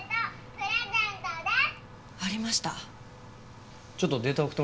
「プレゼントです！」